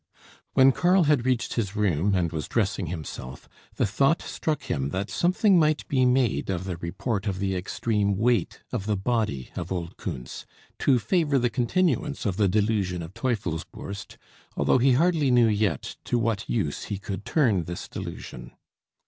When Karl had reached his room, and was dressing himself, the thought struck him that something might be made of the report of the extreme weight of the body of old Kuntz, to favour the continuance of the delusion of Teufelsbürst, although he hardly knew yet to what use he could turn this delusion.